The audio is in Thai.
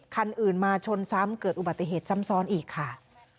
คันอื่นมาชนซ้ำเกิดอุบัติเหตุซ้ำซ้อนอีกค่ะ